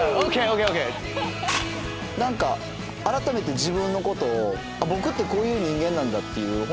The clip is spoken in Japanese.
何かあらためて自分のことを「僕ってこういう人間なんだ」っていう。